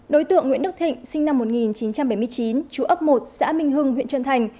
đối tượng nguyễn đức thịnh sinh năm một nghìn chín trăm bảy mươi chín chú ấp một xã minh hưng huyện trân thành